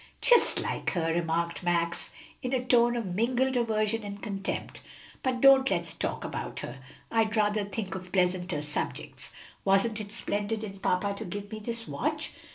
"Just like her," remarked Max, in a tone of mingled aversion and contempt; "but don't let's talk about her. I'd rather think of pleasanter subjects. Wasn't it splendid in papa to give me this watch?"